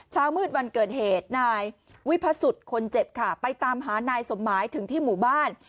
เช้ามืดวันเกิดเหตุนายวิพสุทธิ์คนเจ็บค่ะไปตามหานายสมหมายถึงที่หมู่บ้าน